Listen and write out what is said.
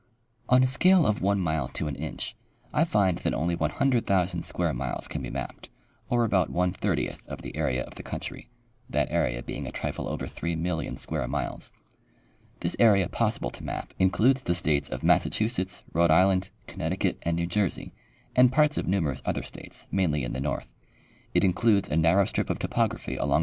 On a scale of 1 mile to an inch, I find that only 100,000 square miles can be mapped, or about one thirtieth of the area of the country (that area being a trifle over 3,000,000 square miles). This area possible to map includes the states of Massachusetts, Rhode Island, Connecticut and New Jersey and parts of numer ous other states, mainly in the north. It includes a narrow strij) of topography along.